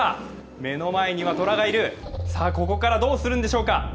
目の前には虎がいる、ここからどうするんでしょうか。